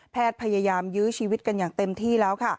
พยายามยื้อชีวิตกันอย่างเต็มที่แล้ว